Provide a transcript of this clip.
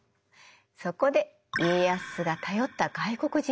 そこで家康が頼った外国人がいるの。